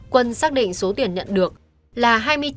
quân xác định số tiền nhận được là